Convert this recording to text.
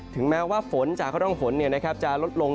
ถึงแม้ว่าฝนจากกระด้องฝนจะลดลง